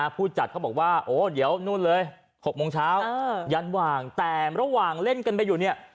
ผู้จัดเขาบอกว่าโอ้เดี๋ยวนู่นเลย๖โมงเช้ายันหว่างแต่ระหว่างเล่นกันไปอยู่เนี่ย